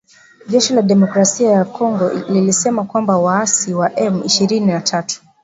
jeshi la jamuhuri ya kidemokrasai ya Kongo lilisema kwamba ,waasi wa M ishirni na tatu